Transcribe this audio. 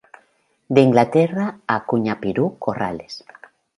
De Inglaterra a Cuñapirú-Corrales.